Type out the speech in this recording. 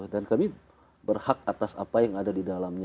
dan kami berhak atas apa yang ada di dalamnya